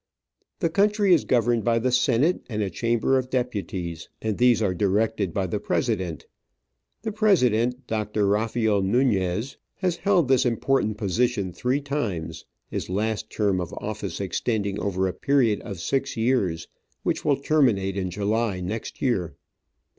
The country is governed by the Senate and a Chamber of Deputies, and these are directed by the President. The President, Doctor Rafael Nunez, has held this important position three times, his last term of office extending over a period of six years, which will terminate in July next year.